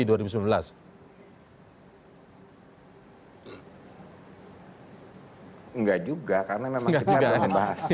tidak juga karena memang kita belum bahas